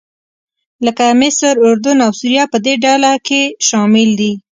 لکه مصر، اردن او سوریه په دې ډله کې شامل دي.